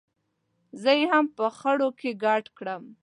زه یې هم په خړو کې ګډ کړم.